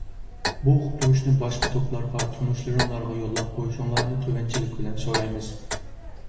بۇ ئۇقتۇرۇشنى باشقا توپلارغا، تونۇشلىرىڭلارغا يوللاپ قويۇشۇڭلارنى تۆۋەنچىلىك بىلەن سورايمىز.